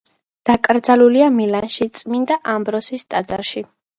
დაკრძალულია მილანში, წმინდა ამბროსის ტაძარში.